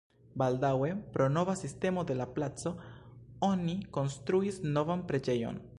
Baldaŭe pro nova sistemo de la placo oni konstruis novan preĝejon.